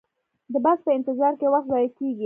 د بس په انتظار کې وخت ضایع کیږي